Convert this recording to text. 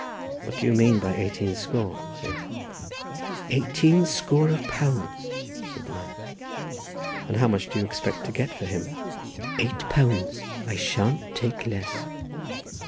"What do you mean by eighteen score?" said I. "Eighteen score of pounds," said the man. "And how much do you expect to get for him?" "Eight pounds; I shan't take less."